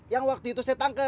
yang waktu itu saya tangkap